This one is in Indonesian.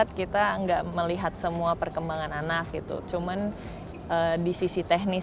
tidak bisa superstar sendirian